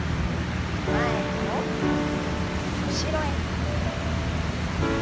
前と後ろへ。